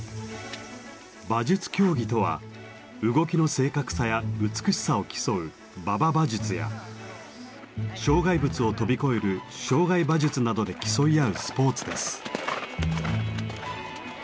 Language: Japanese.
馬術競技とは動きの正確さや美しさを競う馬場馬術や障害物を跳び越える障害馬術などで競い合うスポーツです。